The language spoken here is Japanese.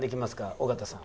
尾形さん」。